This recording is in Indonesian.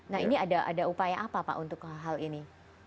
nah ini ada upaya apa pak untuk hal ini